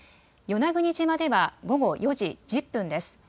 与那国島では午後４時１０分です。